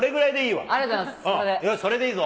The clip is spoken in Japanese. よし、それでいいぞ。